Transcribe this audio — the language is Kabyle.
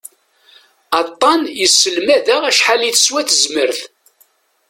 Aṭṭan yesselmad-aɣ acḥal i teswa tezmert.